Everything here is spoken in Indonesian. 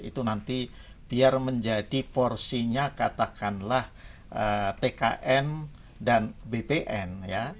itu nanti biar menjadi porsinya katakanlah tkn dan bpn ya